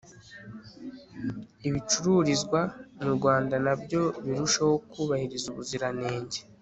ibicururizwa mu rwanda nabyo birusheho kubahiriza ubuziranenge